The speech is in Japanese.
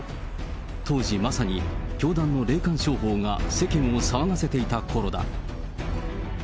当時、まさに教団の霊感商法が世間を騒がせていたころだ。